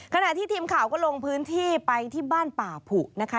ขณะที่ทีมข่าวก็ลงพื้นที่ไปที่บ้านป่าผุนะคะ